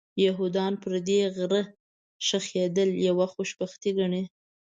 یهودان پر دې غره ښخېدل یوه خوشبختي ګڼي.